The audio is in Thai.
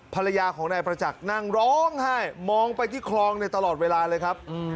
ภรรยาของนายประจักษ์นั่งร้องไห้มองไปที่คลองในตลอดเวลาเลยครับ